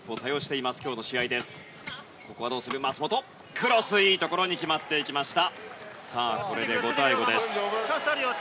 クロス、いいところに決まっていきました。